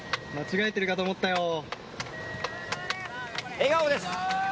笑顔です。